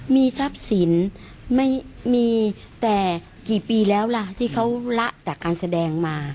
มีทรัพย์สินมีแต่กี่ปีแล้วล่ะที่เขาละจากการแสดงมา